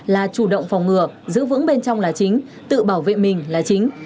là chủ động phòng ngừa giữ vững bên trong là chính tự bảo vệ mình là chính